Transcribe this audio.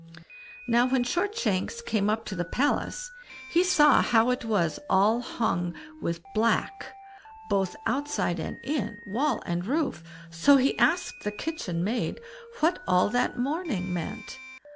Now when Shortshanks came up to the palace, he saw how it was all hung with black, both outside and in, wall and roof; so he asked the kitchen maid what all that mourning meant?